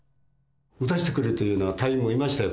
撃たしてくれというような隊員もいましたよ